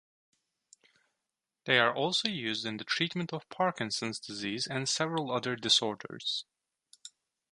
They are also used in the treatment of Parkinson's disease and several other disorders.